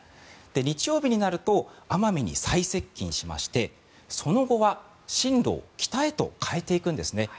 日曜日になると奄美に最接近しましてその後は針路を北へと変えていくんですね。